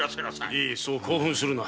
じいそう興奮するな。